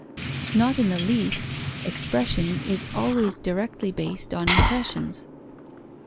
Not in the least: expression is always directly based on impressions.